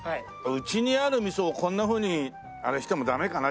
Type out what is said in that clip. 家にあるみそをこんなふうにあれしてもダメかな？